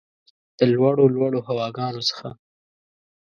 د لوړو ، لوړو هواګانو څخه